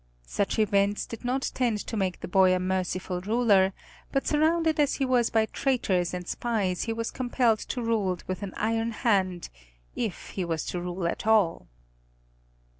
Such events did not tend to make the boy a merciful ruler, but surrounded as he was by traitors and spies he was compelled to rule with an iron hand if he was to rule at all.